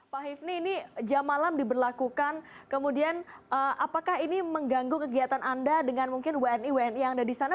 pak hivni ini jam malam diberlakukan kemudian apakah ini mengganggu kegiatan anda dengan mungkin wni wni yang ada di sana